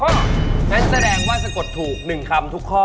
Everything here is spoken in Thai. นั่นแสดงว่าสกดถูกนึงคำทุกข้อ